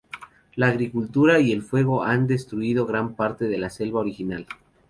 La agricultura y el fuego han destruido gran parte de la selva original.